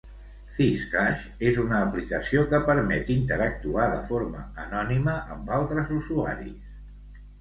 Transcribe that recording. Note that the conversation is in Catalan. "This Crush" és una aplicació que permet interactuar de forma anònima amb altres usuaris.